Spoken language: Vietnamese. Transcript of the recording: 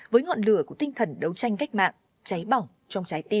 với ngọn lửa của tinh thần đấu tranh cách mạng cháy bỏng trong trái tim